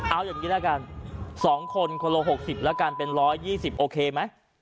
เอาอย่างนี้ละกัน๒คนคนละ๖๐แล้วกันเป็น๑๒๐โอเคไหม